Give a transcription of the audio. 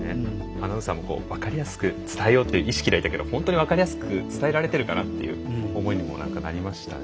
アナウンサーも分かりやすく伝えようという意識ではいたけど本当に分かりやすく伝えられているかなという思いにもなりましたね。